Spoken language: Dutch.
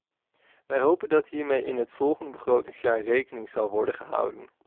Wij hopen dat hiermee in het volgende begrotingsjaar rekening zal worden gehouden.